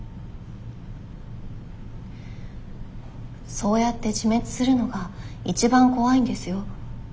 そうやって自滅するのが一番怖いんですよ。